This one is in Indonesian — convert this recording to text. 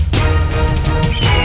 pergi ke melayu